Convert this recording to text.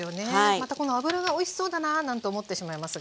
またこの油がおいしそうだなんて思ってしまいますが。